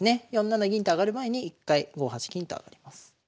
４七銀と上がる前に一回５八金と上がります。